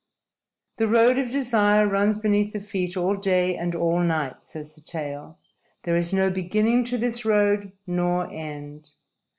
_The road of desire runs beneath the feet all day and all night, says the tale. There is no beginning to this road, nor end.